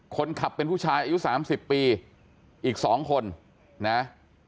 คนขับเป็นผู้ชายอายุสามสิบปีอีกสองคนนะฮะ